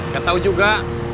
gak tahu juga